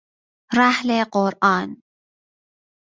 رحل قرآن